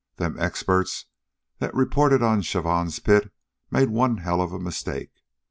Them experts that reported on Chavon's pit made one hell of a mistake.